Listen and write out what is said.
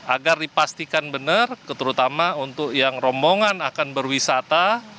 agar dipastikan benar terutama untuk yang rombongan akan berwisata